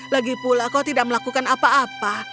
lagipula kau tidak melakukan apa apa